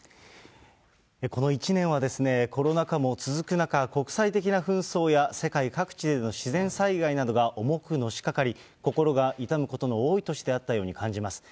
この１年はコロナ禍も続く中、国際的な紛争や世界各地での自然災害などが重くのしかかり、心が痛むことの多い年で遭ったように感じます。